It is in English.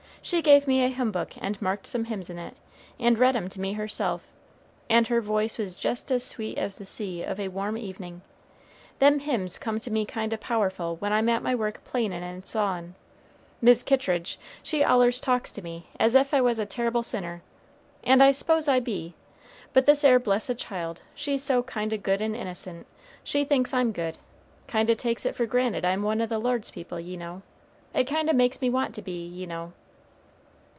She gave me a hymn book and marked some hymns in it, and read 'em to me herself, and her voice was jest as sweet as the sea of a warm evening. Them hymns come to me kind o' powerful when I'm at my work planin' and sawin'. Mis' Kittridge, she allers talks to me as ef I was a terrible sinner; and I suppose I be, but this 'ere blessed child, she's so kind o' good and innocent, she thinks I'm good; kind o' takes it for granted I'm one o' the Lord's people, ye know. It kind o' makes me want to be, ye know."